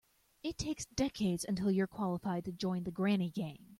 It takes decades until you're qualified to join the granny gang.